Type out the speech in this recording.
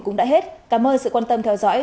cũng đã hết cảm ơn sự quan tâm theo dõi